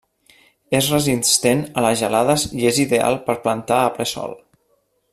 És resistent a les gelades i és ideal per plantar a ple Sol.